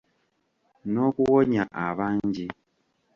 N’okuwonya abangi.